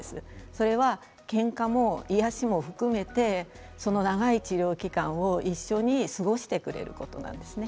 それは、けんかも癒やしも含めてその長い治療期間を一緒に過ごしてくれることなんですね。